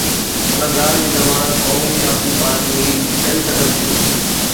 ان ڳالهه جي ضمانت قومي سياسي پارٽيون ئي ڏئي سگهن ٿيون.